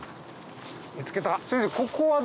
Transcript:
見つけた。